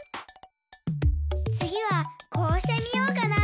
つぎはこうしてみようかな？